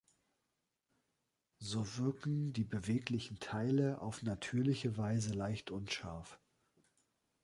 So wirken die beweglichen Teile auf natürliche Weise leicht unscharf.